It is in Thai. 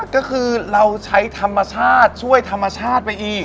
ก็คือเราใช้ธรรมชาติช่วยธรรมชาติไปอีก